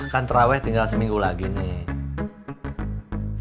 kan terawih tinggal seminggu lagi nih